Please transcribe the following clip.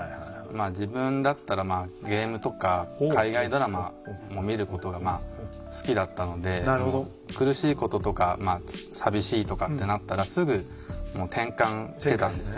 自分だったらまあゲームとか海外ドラマも見ることが好きだったので苦しいこととかまあ寂しいとかってなったらすぐもう転換してたんですよ。